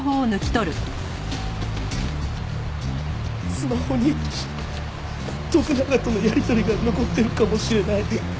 スマホに徳永とのやり取りが残ってるかもしれない。